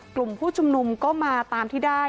กลุ่มผู้ชุมนุมก็มาตามที่ได้